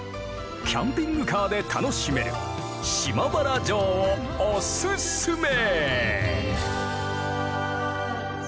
キャンピングカーで楽しめる島原城をおすすめ！